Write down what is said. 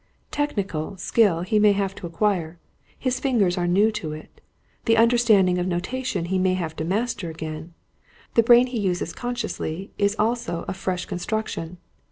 Technical, skill he may have to acquire his fingers are new to it. The understanding of notation he may have to master again the brain he uses consciously is also of fresh construction.